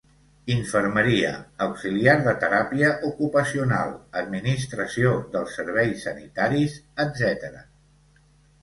Infermeria, Auxiliar de teràpia ocupacional, Administració dels serveis sanitaris, etc.